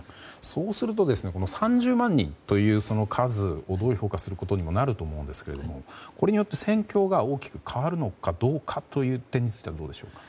そうなるとこの３０万人という数をどう評価するかということにもなると思うんですけれどもこれによって戦況が大きく変わるのかどうかという点についてはどうでしょうか。